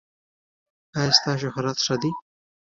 ایا ستاسو شهرت ښه دی؟